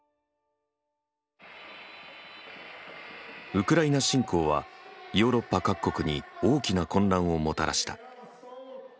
ウクライナ侵攻はヨーロッパ各国に大きな混乱をもたらした。